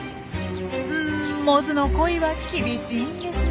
うんモズの恋は厳しいんですね。